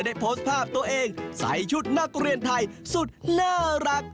ได้โพสต์ภาพตัวเองใส่ชุดนักเรียนไทยสุดน่ารัก